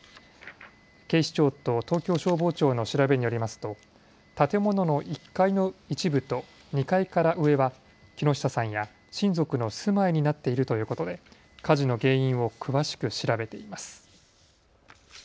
警視庁と東京消防庁の調べによりますと建物の１階の一部と２階から上は木下さんや親族の住まいになっているということで火事の原因を詳しく調べています。